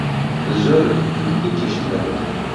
زۆرت گوت و هیچیشت نەگوت!